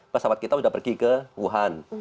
pesawat kita sudah pergi ke wuhan